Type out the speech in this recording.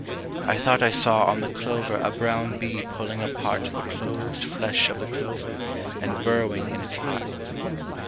I thought I saw on the clover A brown bee pulling apart The closed flesh of the clover And burrowing in its heart.